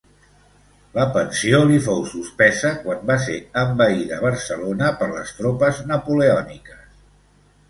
La pensió li fou suspesa quan va ser envaïda Barcelona per les tropes Napoleòniques.